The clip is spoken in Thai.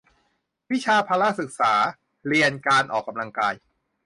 วิชาพละศึกษา เรียนการออกกำลังกาย